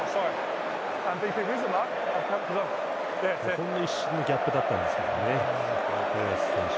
本当に一瞬のギャップだったんですよね。